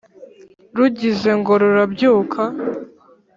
rugize ngo rurabyuka,